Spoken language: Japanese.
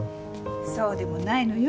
そうでもないのよ。